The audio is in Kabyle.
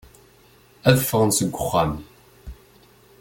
Ad ffɣen seg uxxam.